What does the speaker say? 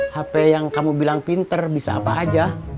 hp yang kamu bilang pinter bisa apa aja